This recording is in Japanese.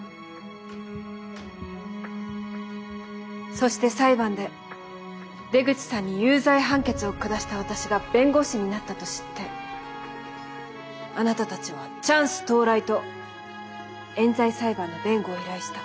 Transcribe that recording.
そして裁判で出口さんに有罪判決を下した私が弁護士になったと知ってあなたたちはチャンス到来と冤罪裁判の弁護を依頼した。